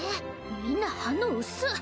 みんな反応薄っ